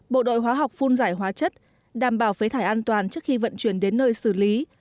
bộ đội hóa học phun giải hóa chất đảm bảo phế thải an toàn trước khi vận chuyển đến nơi xử lý